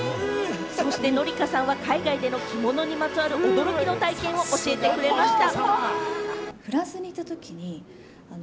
そして紀香さんは、海外での着物にまつわる驚きの体験を教えてくれました。